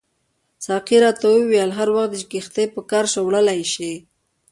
ساقي راته وویل هر وخت چې دې کښتۍ په کار شوه وړلای یې شې.